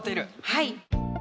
はい。